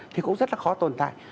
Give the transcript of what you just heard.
thì cũng rất là khó tồn tại